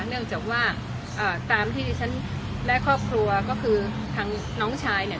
เนื่องจากว่าตามที่ดิฉันและครอบครัวก็คือทางน้องชายเนี่ย